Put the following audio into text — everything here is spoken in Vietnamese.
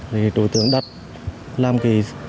đối tượng đặt làm cái